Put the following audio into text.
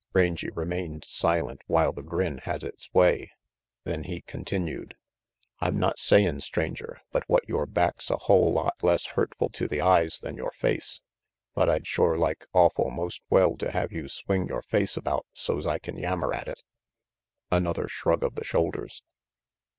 Rangy remained silent while the grin had its way, then he continued: "I'm not sayin', Stranger, but what yore back's a hull lot less hurtful to the eyes than yore face, but I'd shore like most awful well to have you swing yore face about so's I can yammer at it." Another shrug of the shoulders.